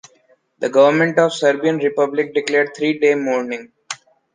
The government of Serbian Republic declared three-day mourning.